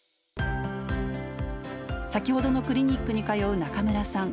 先ほどのクリニックに通う中村さん